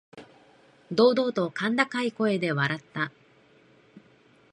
堂々と甲高い声で笑った。